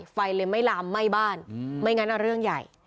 ไฟเลยไม่ลามไหม้บ้านไม่งั้นเรื่องใหญ่